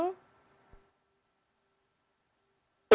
untuk pengamanan sendiri radius dari